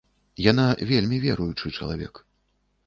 Яна вельмі веруючы чалавек.